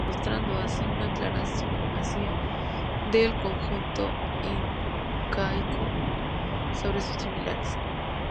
Demostrando así una clara supremacía del conjunto incaico sobre sus similares.